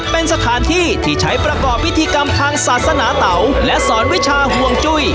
เป็นสถานที่ที่ใช้ประกอบพิธีกรรมทางศาสนาเตาและสอนวิชาห่วงจุ้ย